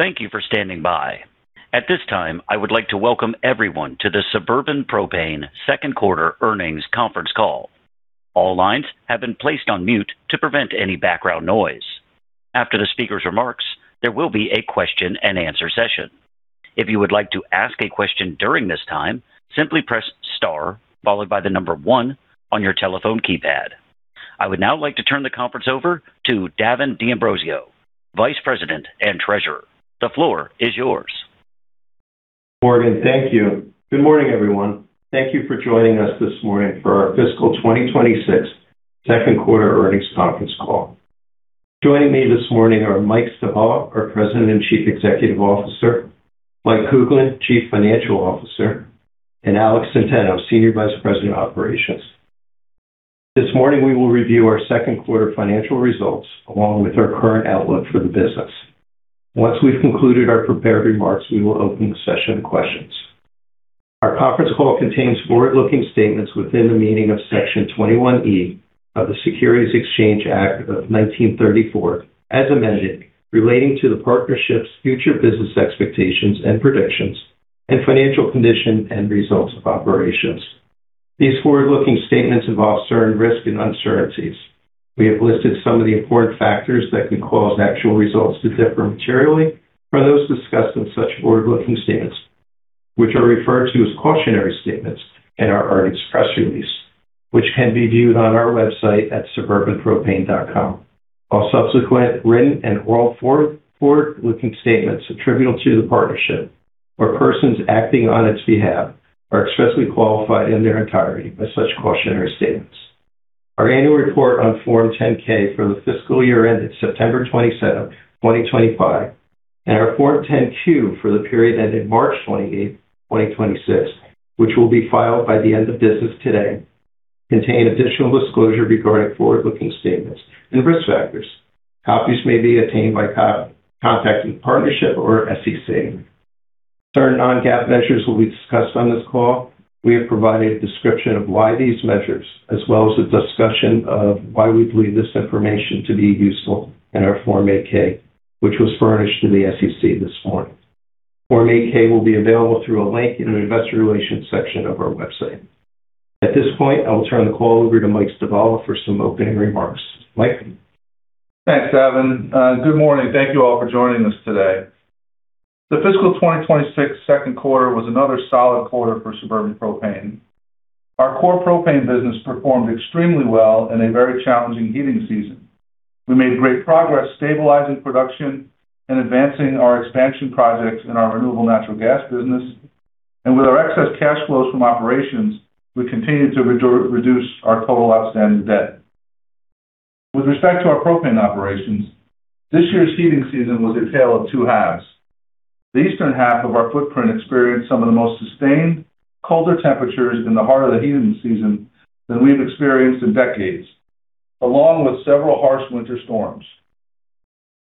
Thank you for standing by. At this time, I would like to welcome everyone to the Suburban Propane second quarter earnings conference call. All lines have been placed on mute to prevent any background noise. After the speaker's remarks, there will be a question and answer session. If you would like to ask a question during this time, simply press star followed by the number one on your telephone keypad. I would now like to turn the conference over to Davin D'Ambrosio, Vice President and Treasurer. The floor is yours. Morgan, thank you. Good morning, everyone. Thank you for joining us this morning for our fiscal 2026 second quarter earnings conference call. Joining me this morning are Mike Stivala, our President and Chief Executive Officer, Mike Kuglin, Chief Financial Officer, and Alex Centeno, Senior Vice President of Operations. This morning, we will review our second quarter financial results along with our current outlook for the business. Once we've concluded our prepared remarks, we will open the session to questions. Our conference call contains forward-looking statements within the meaning of Section 21E of the Securities Exchange Act of 1934 as amended, relating to the partnership's future business expectations and predictions and financial condition and results of operations. These forward-looking statements involve certain risks and uncertainties. We have listed some of the important factors that could cause actual results to differ materially from those discussed in such forward-looking statements, which are referred to as cautionary statements in our earnings press release, which can be viewed on our website at suburbanpropane.com. All subsequent written and oral forward-looking statements attributable to the partnership or persons acting on its behalf are expressly qualified in their entirety by such cautionary statements. Our annual report on Form 10-K for the fiscal year ended September 27, 2025, and our Form 10-Q for the period ending March 28, 2026, which will be filed by the end of business today, contain additional disclosure regarding forward-looking statements and risk factors. Copies may be obtained by contacting partnership or SEC. Certain non-GAAP measures will be discussed on this call. We have provided a description of why these measures, as well as a discussion of why we believe this information to be useful in our Form 8-K, which was furnished to the SEC this morning. Form 8-K will be available through a link in an investor relations section of our website. At this point, I will turn the call over to Mike Stivala for some opening remarks. Mike? Thanks, Davin. Good morning. Thank you all for joining us today. The fiscal 2026 second quarter was another solid quarter for Suburban Propane. Our core propane business performed extremely well in a very challenging heating season. We made great progress stabilizing production and advancing our expansion projects in our renewable natural gas business. With our excess cash flows from operations, we continued to reduce our total outstanding debt. With respect to our propane operations, this year's heating season was a tale of two halves. The Eastern half of our footprint experienced some of the most sustained colder temperatures in the heart of the heating season than we've experienced in decades, along with several harsh winter storms.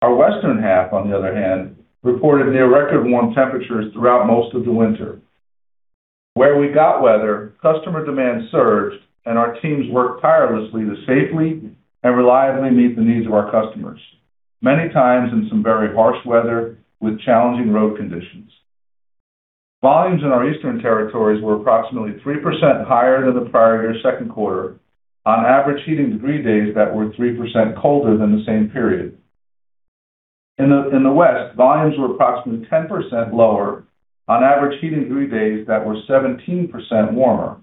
Our Western half, on the other hand, reported near record warm temperatures throughout most of the winter. Where we got weather, customer demand surged, and our teams worked tirelessly to safely and reliably meet the needs of our customers, many times in some very harsh weather with challenging road conditions. Volumes in our Eastern territories were approximately 3% higher than the prior year second quarter on average heating degree days that were 3% colder than the same period. In the West, volumes were approximately 10% lower on average heating degree days that were 17% warmer.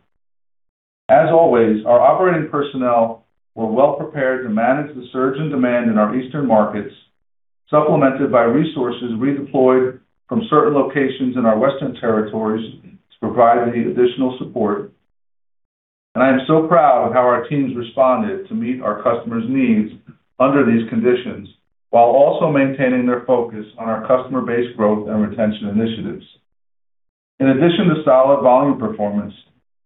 As always, our operating personnel were well prepared to manage the surge in demand in our Eastern markets, supplemented by resources redeployed from certain locations in our Western territories to provide the additional support. I am so proud of how our teams responded to meet our customers' needs under these conditions, while also maintaining their focus on our customer base growth and retention initiatives. In addition to solid volume performance,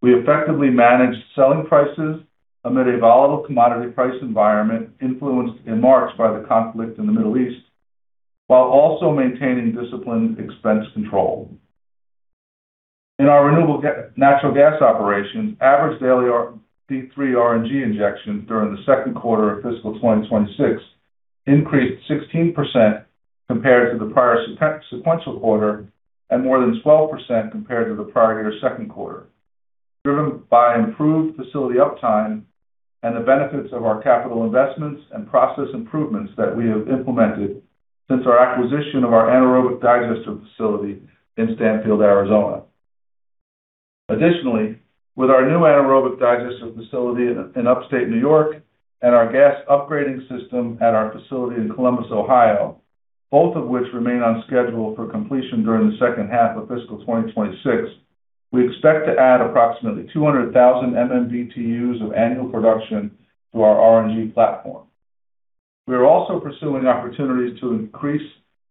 we effectively managed selling prices amid a volatile commodity price environment influenced in March by the conflict in the Middle East, while also maintaining disciplined expense control. In our renewable natural gas operations, average daily D3 RNG injections during the second quarter of fiscal 2026 increased 16% compared to the prior sequential quarter and more than 12% compared to the prior year second quarter. Driven by improved facility uptime and the benefits of our capital investments and process improvements that we have implemented since our acquisition of our anaerobic digester facility in Stanfield, Arizona. Additionally, with our new anaerobic digester facility in Upstate N.Y. and our gas upgrading system at our facility in Columbus, Ohio, both of which remain on schedule for completion during the second half of fiscal 2026. We expect to add approximately 200,000 MMBTUs of annual production to our RNG platform. We are also pursuing opportunities to increase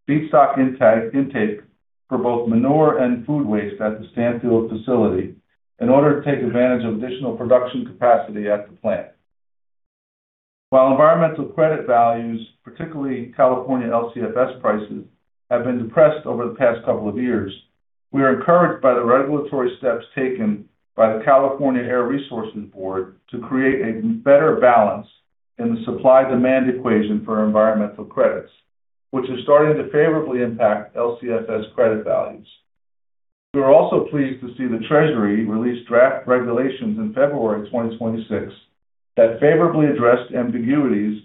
feedstock intake for both manure and food waste at the Stanfield facility in order to take advantage of additional production capacity at the plant. While environmental credit values, particularly California LCFS prices, have been depressed over the past couple of years. We are encouraged by the regulatory steps taken by the California Air Resources Board to create a better balance in the supply-demand equation for environmental credits, which is starting to favorably impact LCFS credit values. We are also pleased to see the Treasury release draft regulations in February 2026 that favorably addressed ambiguities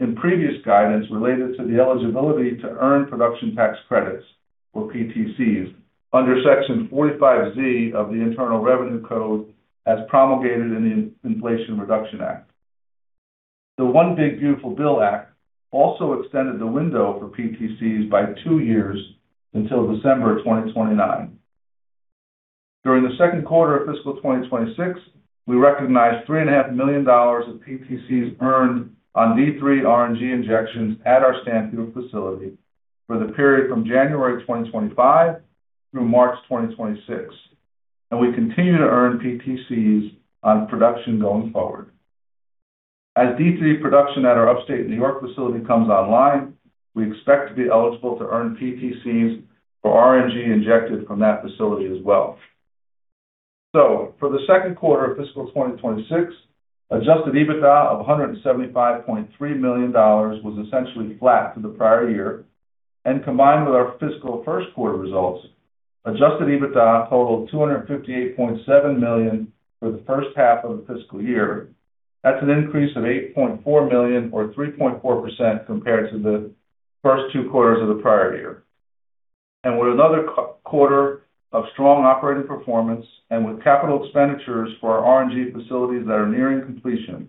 in previous guidance related to the eligibility to earn production tax credits or PTCs under Section 45Z of the Internal Revenue Code as promulgated in the Inflation Reduction Act. The One Big Beautiful Bill Act also extended the window for PTCs by two years until December 2029. During the second quarter of fiscal 2026, we recognized $3.5 million of PTCs earned on D3 RNG injections at our Stanfield facility for the period from January 2025 through March 2026, and we continue to earn PTCs on production going forward. As D3 production at our Upstate N.Y. facility comes online, we expect to be eligible to earn PTCs for RNG injected from that facility as well. For the second quarter of fiscal 2026, Adjusted EBITDA of $175.3 million was essentially flat to the prior year. Combined with our fiscal first quarter results, Adjusted EBITDA totaled $258.7 million for the first half of the fiscal year. That's an increase of $8.4 million or 3.4% compared to the first two quarters of the prior year. With another quarter of strong operating performance and with capital expenditures for our RNG facilities that are nearing completion.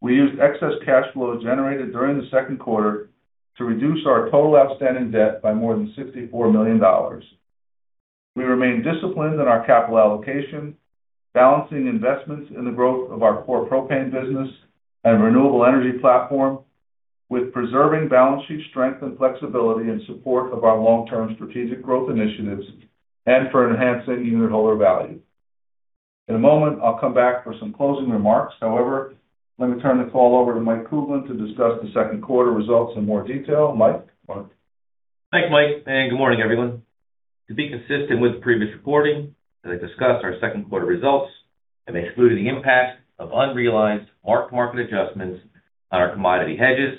We used excess cash flow generated during the second quarter to reduce our total outstanding debt by more than $64 million. We remain disciplined in our capital allocation, balancing investments in the growth of our core propane business and renewable energy platform with preserving balance sheet strength and flexibility in support of our long-term strategic growth initiatives and for enhancing unitholder value. In a moment, I'll come back for some closing remarks. Let me turn the call over to Mike Kuglin to discuss the second quarter results in more detail. Mike? Thanks, Mike, and good morning, everyone. To be consistent with previous reporting, as I discuss our second quarter results, I'm excluding the impact of unrealized mark-to-market adjustments on our commodity hedges,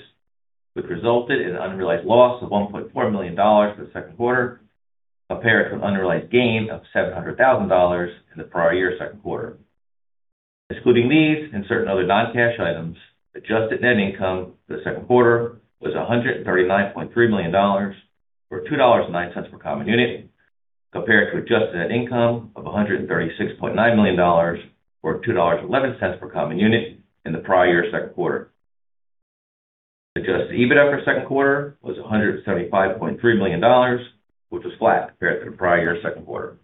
which resulted in an unrealized loss of $1.4 million for the second quarter, compared to an unrealized gain of $700,000 in the prior year second quarter. Excluding these and certain other non-cash items, Adjusted net income for the second quarter was $139.3 million or $2.09 per common unit, compared to Adjusted net income of $136.9 million or $2.11 per common unit in the prior year second quarter. Adjusted EBITDA for second quarter was $175.3 million, which was flat compared to the prior year second quarter.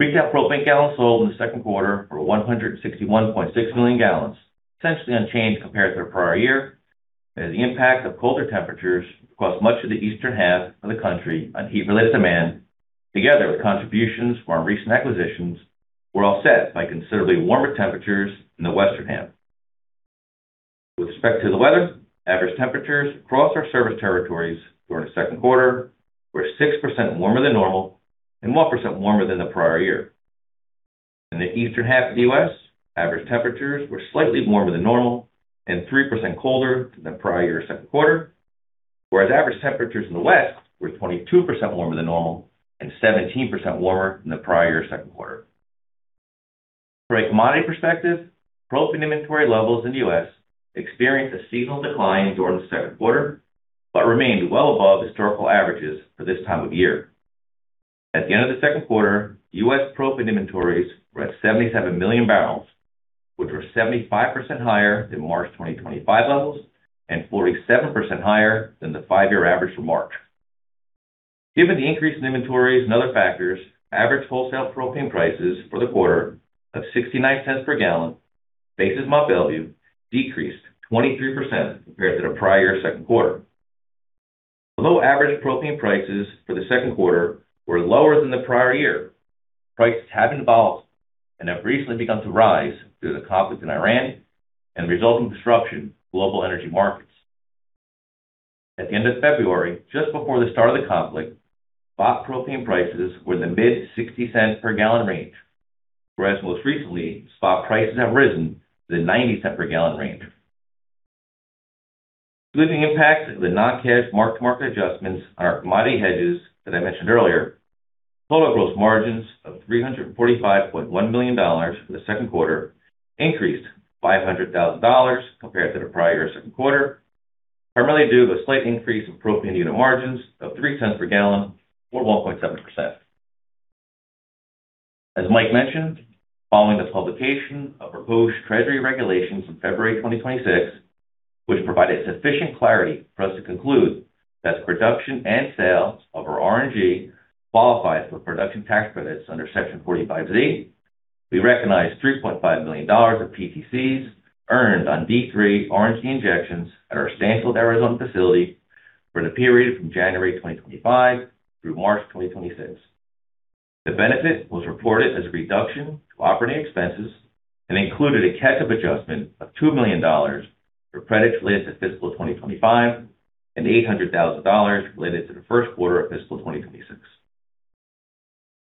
Retail propane gallons sold in the second quarter were 161.6 million gal, essentially unchanged compared to the prior year as the impact of colder temperatures across much of the Eastern half of the country on heat-related demand, together with contributions from our recent acquisitions, were offset by considerably warmer temperatures in the Western half. With respect to the weather, average temperatures across our service territories during the second quarter were 6% warmer than normal and 1% warmer than the prior year. In the Eastern half of the U.S., average temperatures were slightly warmer than normal and 3% colder than the prior year second quarter. Whereas average temperatures in the West were 22% warmer than normal and 17% warmer than the prior year second quarter. From a commodity perspective, propane inventory levels in the U.S. experienced a seasonal decline during the second quarter but remained well above historical averages for this time of year. At the end of the second quarter, U.S. propane inventories were at 77 million bbl, which were 75% higher than March 2025 levels and 47% higher than the five-year average for March. Given the increase in inventories and other factors, average wholesale propane prices for the quarter of $0.69 per gal basis month value decreased 23% compared to the prior year second quarter. Although average propane prices for the second quarter were lower than the prior year, prices have been volatile and have recently begun to rise due to the conflict in Iran and the resulting disruption of global energy markets. At the end of February, just before the start of the conflict, spot propane prices were in the mid $0.60 per gal range, whereas most recently, spot prices have risen to the $0.90 per gal range. Excluding the impact of the non-cash mark-to-market adjustments on our commodity hedges that I mentioned earlier, total gross margins of $345.1 million for the second quarter increased $500,000 compared to the prior year second quarter, primarily due to the slight increase in propane unit margins of $0.03 per gal or 1.7%. As Mike mentioned, following the publication of proposed Treasury regulations in February 2026, which provided sufficient clarity for us to conclude that the production and sale of our RNG qualifies for production tax credits under Section 45Z. We recognized $3.5 million of PTCs earned on D3 RNG injections at our Stanfield, Arizona facility for the period from January 2025 through March 2026. The benefit was reported as a reduction to operating expenses and included a catch-up adjustment of $2 million for credits related to fiscal 2025 and $800,000 related to the first quarter of fiscal 2026.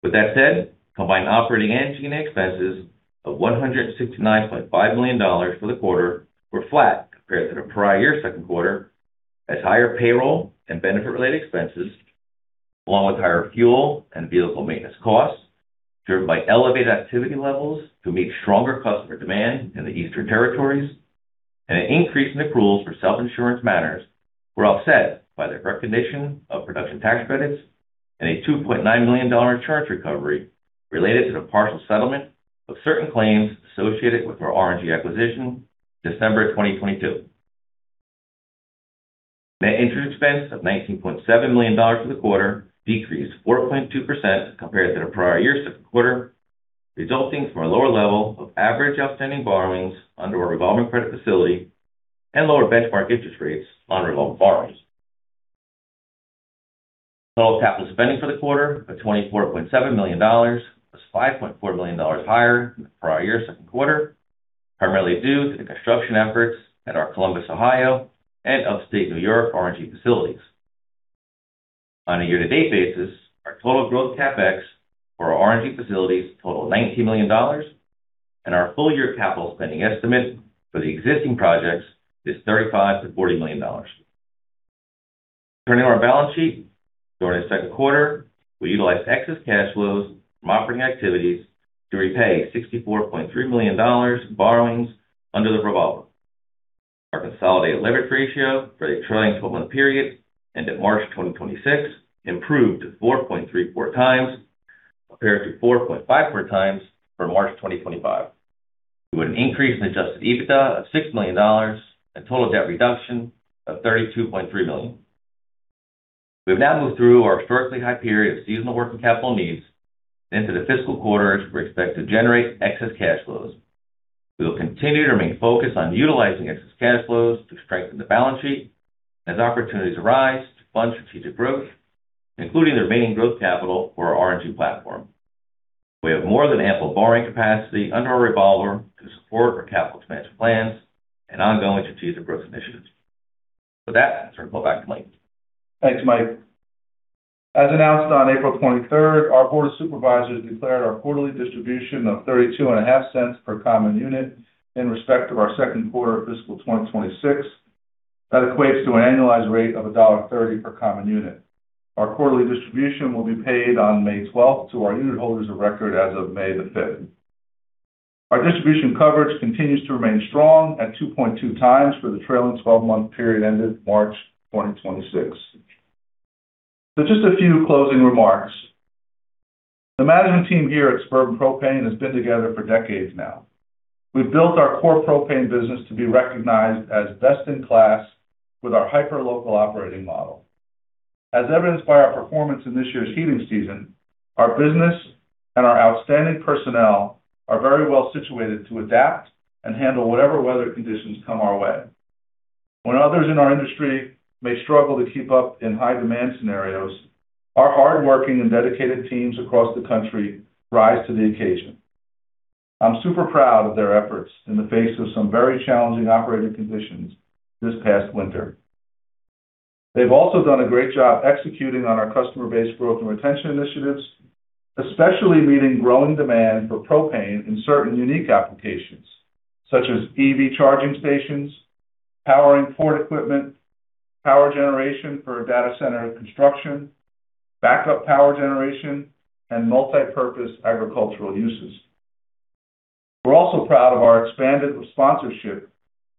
With that said, combined operating and G&A expenses of $169.5 million for the quarter were flat compared to the prior year second quarter as higher payroll and benefit related expenses. Along with higher fuel and vehicle maintenance costs driven by elevated activity levels to meet stronger customer demand in the eastern territories and an increase in accruals for self-insurance matters were offset by the recognition of production tax credits. And a $2.9 million insurance recovery related to the partial settlement of certain claims associated with our RNG acquisition December 2022. Net interest expense of $19.7 million for the quarter decreased 4.2% compared to the prior year second quarter, resulting from a lower level of average outstanding borrowings under our revolving credit facility and lower benchmark interest rates on revolving borrowings. Total capital spending for the quarter of $24.7 million was $5.4 million higher than the prior year second quarter, primarily due to the construction efforts at our Columbus, Ohio and Upstate New York RNG facilities. On a year-to-date basis, our total growth CapEx for our RNG facilities total $90 million and our full year capital spending estimate for the existing projects is $35 million-$40 million. Turning to our balance sheet. During the second quarter, we utilized excess cash flows from operating activities to repay $64.3 million borrowings under the revolver. Our consolidated leverage ratio for the trailing 12-month period ended March 2026 improved to 4.34x compared to 4.54x for March 2025. We had an increase in Adjusted EBITDA of $6 million and total debt reduction of $32.3 million. We have now moved through our historically high period of seasonal working capital needs into the fiscal quarters we expect to generate excess cash flows. We will continue to remain focused on utilizing excess cash flows to strengthen the balance sheet as opportunities arise to fund strategic growth, including the remaining growth capital for our RNG platform. We have more than ample borrowing capacity under our revolver to support our capital expansion plans and ongoing strategic growth initiatives. With that, I turn it back to Mike. Thanks, Mike. As announced on April 23rd, our Board of Supervisors declared our quarterly distribution of $0.325 per common unit in respect of our second quarter of fiscal 2026. That equates to an annualized rate of $1.30 per common unit. Our quarterly distribution will be paid on May 12th to our unit holders of record as of May 5th. Our distribution coverage continues to remain strong at 2.2x for the trailing 12-month period ended March 2026. Just a few closing remarks. The management team here at Suburban Propane has been together for decades now. We've built our core propane business to be recognized as best in class with our hyperlocal operating model. As evidenced by our performance in this year's heating season, our business and our outstanding personnel are very well situated to adapt and handle whatever weather conditions come our way. When others in our industry may struggle to keep up in high demand scenarios, our hardworking and dedicated teams across the country rise to the occasion. I'm super proud of their efforts in the face of some very challenging operating conditions this past winter. They've also done a great job executing on our customer base growth and retention initiatives, especially meeting growing demand for propane in certain unique applications such as EV charging stations, powering port equipment, power generation for a data center under construction, backup power generation, and multipurpose agricultural uses. We're also proud of our expanded sponsorship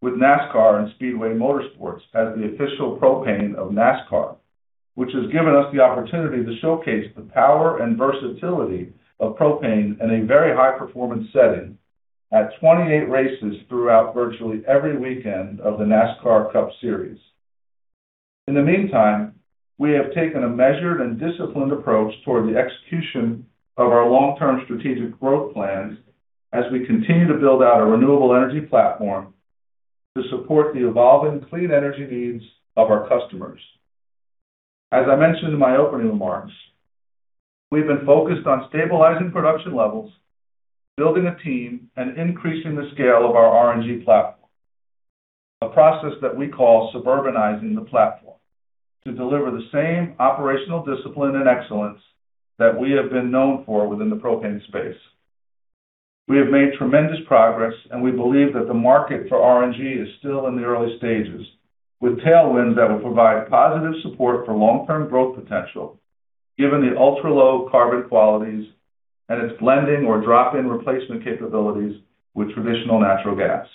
with NASCAR and Speedway Motorsports as the official propane of NASCAR, which has given us the opportunity to showcase the power and versatility of propane in a very high performance setting at 28 races throughout virtually every weekend of the NASCAR Cup Series. In the meantime, we have taken a measured and disciplined approach toward the execution of our long-term strategic growth plans as we continue to build out our renewable energy platform to support the evolving clean energy needs of our customers. As I mentioned in my opening remarks, we've been focused on stabilizing production levels, building a team, and increasing the scale of our RNG platform, a process that we call suburbanizing the platform, to deliver the same operational discipline and excellence that we have been known for within the propane space. We have made tremendous progress, we believe that the market for RNG is still in the early stages with tailwinds that will provide positive support for long-term growth potential given the ultra-low carbon qualities and its blending or drop-in replacement capabilities with traditional natural gas.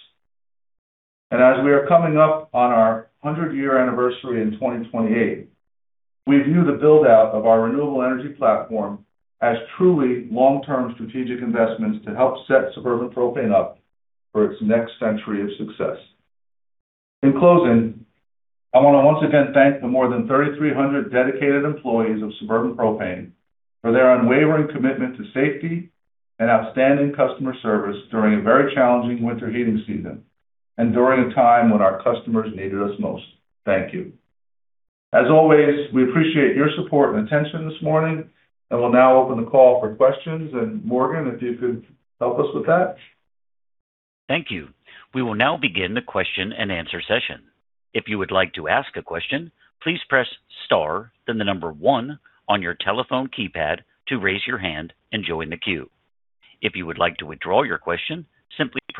As we are coming up on our 100-year anniversary in 2028, we view the build-out of our renewable energy platform as truly long-term strategic investments to help set Suburban Propane up for its next century of success. In closing, I wanna once again thank the more than 3,300 dedicated employees of Suburban Propane for their unwavering commitment to safety and outstanding customer service during a very challenging winter heating season and during a time when our customers needed us most. Thank you. As always, we appreciate your support and attention this morning and will now open the call for questions. Morgan, if you could help us with that. Thank you. We will now begin the question and answer session. If you would like to ask a question, please press star then the number one on your telephone keypad to raise your hand and join the queue. If you would like to withdraw your question,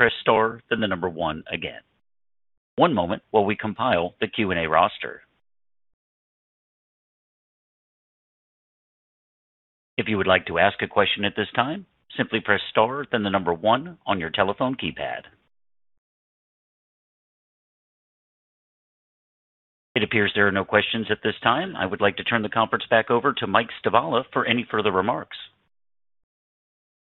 simply press star then the number one again. One moment while we compile the Q&A roster. If you would like to ask a question at this time, simply press star then the number one on your telephone keypad. It appears there are no questions at this time. I would like to turn the conference back over to Mike Stivala for any further remarks.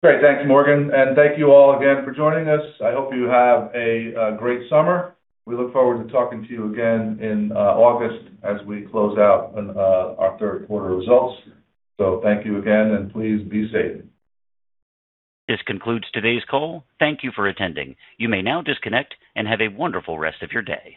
Great. Morgan. Thank you all again for joining us. I hope you have a great summer. We look forward to talking to you again in August as we close out on our third quarter results. Thank you again, and please be safe. This concludes today's call. Thank you for attending. You may now disconnect and have a wonderful rest of your day.